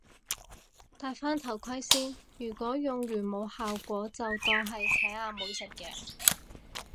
戴返頭盔先，如果用完冇咩效果就當係請阿妹食嘢